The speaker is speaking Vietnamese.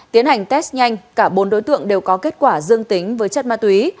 tiến hành test nhanh cả bốn đối tượng đều có kết quả dương tính với chất ma túy